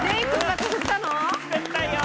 作ったよ。